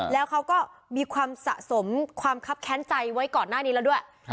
แล้วเขาก็มีความสะสมความคับแค้นใจไว้ก่อนหน้านี้แล้วด้วย